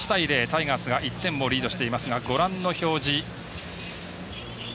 タイガースが１点をリードしていますがご覧の表示。